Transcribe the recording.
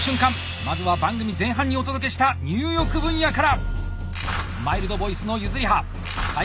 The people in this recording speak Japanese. まずは番組前半にお届けした入浴分野から！